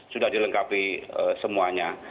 sudah dilengkapi semuanya